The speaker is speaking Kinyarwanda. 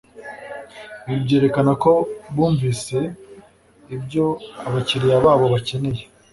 ibi byerekana ko bumvise ibyo abakiriya babo bakeneye